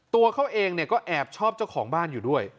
ตัวเขาเองก็แอบชอบเจ้าของบ้านอยู่ด้วย